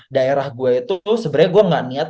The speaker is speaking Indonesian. daerah gue itu sebenernya gue gak niat